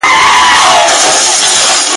چي زینبه پکښی وراره چي سرتوره درخانۍ ده !.